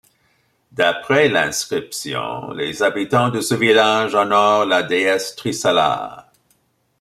D'après l'inscription, les habitants de ce village honorent la déesse Trisala.